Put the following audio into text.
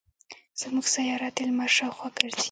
زمونږ سیاره د لمر شاوخوا ګرځي.